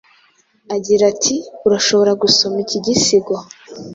Agira ati Urashobora gusoma iki gisigo